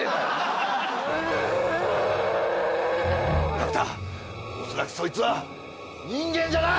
角田恐らくそいつは人間じゃない！